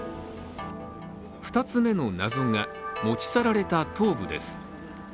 ２つ目の謎が、持ち去られた頭部です。